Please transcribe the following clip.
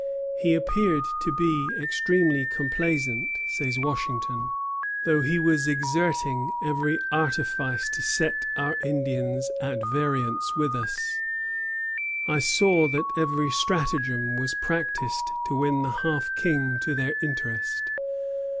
"He appeared to be extremely complaisant," says Washington, "though he was exerting every artifice to set our Indians at variance with us. I saw that every stratagem was practised to win the Half King to their interest."